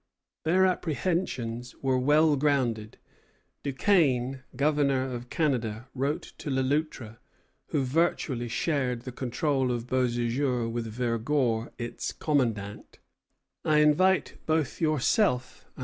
Their apprehensions were well grounded. Duquesne, governor of Canada, wrote to Le Loutre, who virtually shared the control of Beauséjour with Vergor, its commandant: "I invite both yourself and M.